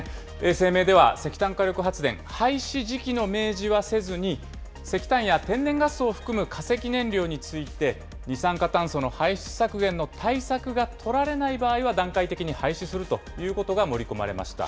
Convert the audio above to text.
声明では、石炭火力発電、廃止時期の明示はせずに、石炭や天然ガスを含む化石燃料について、二酸化炭素の排出削減の対策が取られない場合は、段階的に廃止するということが盛り込まれました。